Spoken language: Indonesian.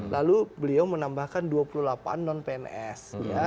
lalu beliau menambahkan dua puluh delapan non pns